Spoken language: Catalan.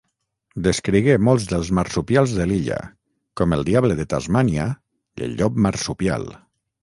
Descrigué molts dels marsupials de l'illa, com el diable de Tasmània i el llop marsupial.